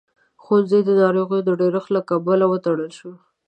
ښوونځی د ناروغيو د ډېرښت له کبله وتړل شو.